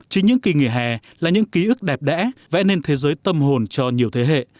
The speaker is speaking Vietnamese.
chính những kỳ nghỉ hè là những ký ức đẹp đẽ vẽ nên thế giới tâm hồn cho nhiều thế hệ